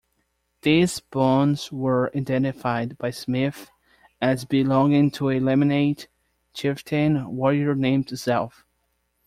These bones were identified by Smith as belonging to a Lamanite chieftain-warrior named Zelph.